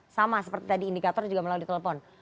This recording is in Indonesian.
sama seperti tadi indikator juga melalui telepon